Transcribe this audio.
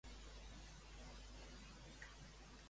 Què és Girard de Rosselhon?